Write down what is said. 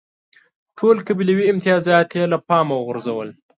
ټول قبیلوي امتیازات یې له پامه وغورځول.